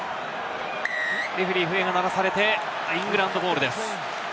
レフェリー、笛が鳴らされて、イングランドボールです。